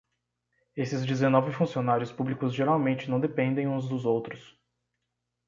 Esses dezenove funcionários públicos geralmente não dependem uns dos outros.